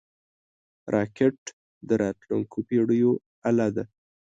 راکټ د راتلونکو پېړیو اله ده